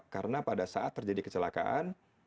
karena pada saat terjadi kecelakaan